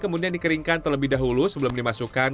kemudian dikeringkan terlebih dahulu sebelum dimasukkan